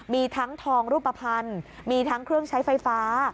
มีทั้งทองรูปภัณฑ์มีทั้งเครื่องใช้ไฟฟ้า